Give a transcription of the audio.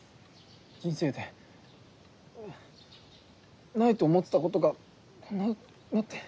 人生でないと思ってたことがななって。